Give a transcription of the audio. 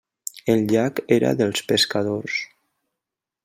El llac era dels pescadors.